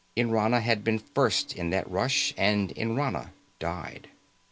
Nrana had been first in that rush, and Nrana died.